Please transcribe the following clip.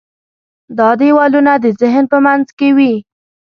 دا دیوالونه د ذهن په منځ کې وي.